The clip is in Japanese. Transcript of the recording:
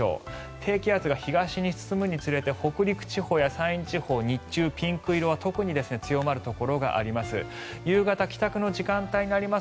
低気圧が東に進むにつれて北陸地方や山陰地方日中、ピンク色は特に強まるところがあります。